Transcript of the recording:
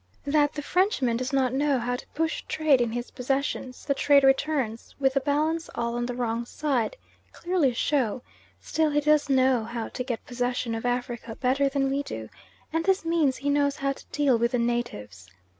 That the Frenchman does not know how to push trade in his possessions, the trade returns, with the balance all on the wrong side, clearly show; still he does know how to get possession of Africa better than we do, and this means he knows how to deal with the natives.